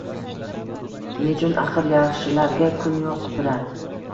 Nechun axir yaxshilarga kun yoʼq sira